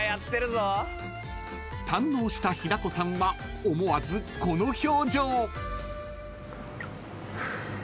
［堪能した平子さんは思わずこの表情］